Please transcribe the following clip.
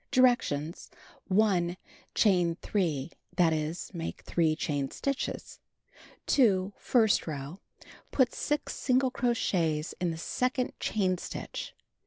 Directions: 1. Chain 3; that is, make 3 chain stitches. 2. First row: Put 6 single crochets in second chain stitch.